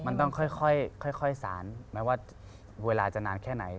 มันต้องค่อยสารไม่ว่าเวลาจะนานแค่ไหน